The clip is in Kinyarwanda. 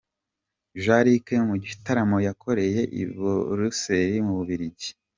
Jean Luc mu gitaramo yakoreye i Buruseri mu Bubirigi.